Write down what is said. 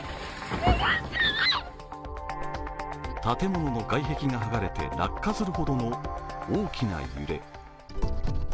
建物の外壁がはがれて落下するほどの大きな揺れ。